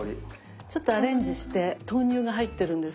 ちょっとアレンジして豆乳が入ってるんですけれども。